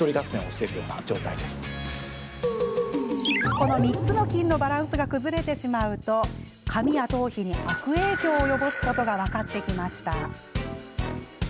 この３つの菌のバランスが崩れてしまうと髪や頭皮に悪影響を及ぼすことが分かってきました。